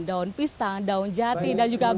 daun pisang daun jati dan juga